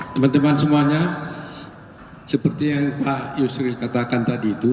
teman teman semuanya seperti yang pak yusri katakan tadi itu